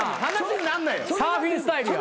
サーフィンスタイルや。